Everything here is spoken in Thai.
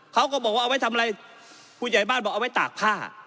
เขาก็บอกว่าเอาไว้ทำอะไรผู้ใหญ่บ้านบอกเอาไว้ตากผ้า